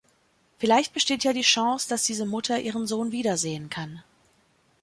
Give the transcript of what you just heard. Vielleicht besteht ja die Chance, dass diese Mutter ihren Sohn wiedersehen kann.